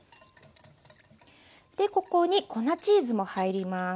でここに粉チーズも入ります。